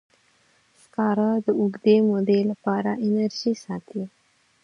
سکاره د اوږدې مودې لپاره انرژي ساتي.